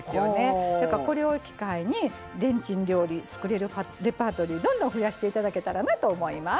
これを機会にレンチン料理作れるレパートリーどんどん増やしていただけたらなと思います。